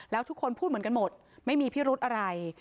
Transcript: แล้วทุกคนพูดเหมือนกันหมดไม่มีพิรุธอะไร